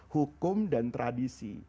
hukum dan tradisi